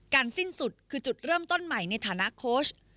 สิ้นสุดคือจุดเริ่มต้นใหม่ในฐานะโค้ช